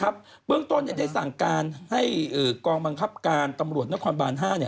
เบื้องต้นได้สั่งการให้กองบังคับการตำรวจนครบาน๕